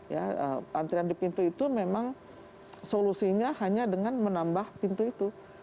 ya antrian di pintu itu memang solusinya hanya dengan menambah pintu itu